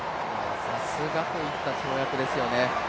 さすがといった跳躍ですよね。